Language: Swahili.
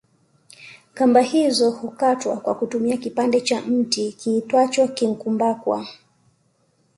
Kamba hizo hukatwa kwa kutumia kipande cha mti kiitwacho kinkumbakwa